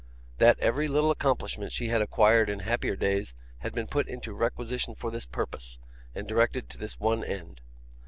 That every little accomplishment she had acquired in happier days had been put into requisition for this purpose, and directed to this one end.